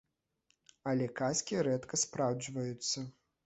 Але казкі рэдка спраўджваюцца.